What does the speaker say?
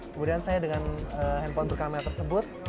kemudian saya dengan handphone berkamel tersebut